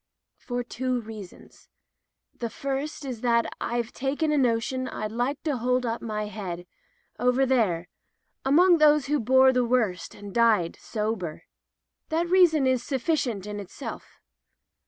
"For two reasons. The first is that Tve taken a notion I'd like to hold up my head, over there, among those who bore the worst and died sober. That reason is suflicient in itself.